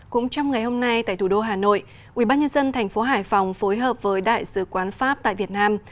cũng trong ngày hôm nay tại thủ đô hà nội ubnd tp hải phòng phối hợp với đại sứ quán pháp tại việt nam